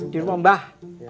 di rumah mbak